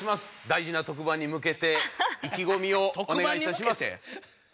大事な特番に向けて意気込みをお願いいたします。